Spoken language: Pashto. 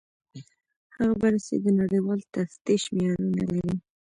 هغه بررسي د نړیوال تفتیش معیارونه لري.